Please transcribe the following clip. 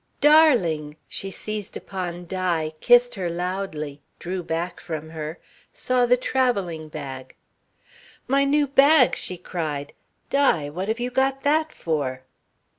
"Darling!" She seized upon Di, kissed her loudly, drew back from her, saw the travelling bag. "My new bag!" she cried. "Di! What have you got that for?"